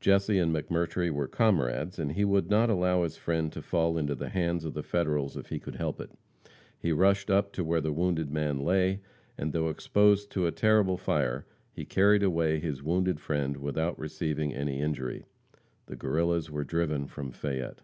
Jesse and McMurtry were comrades, and he would not allow his friend to fall into the hands of the Federals if he could help it. He rushed up to where the wounded man lay, and though exposed to a terrible fire, he carried away his wounded friend without receiving any injury. The Guerrillas were driven from Fayette.